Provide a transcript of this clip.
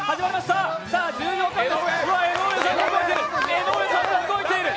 江上さんが動いている！